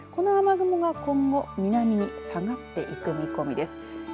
この雨雲が今後南に下がっていく見込みです。